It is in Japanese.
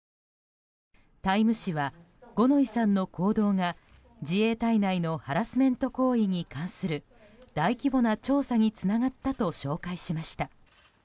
「タイム」誌は五ノ井さんの行動が自衛隊内のハラスメント行為に関する大規模な調査につながったと紹介しました。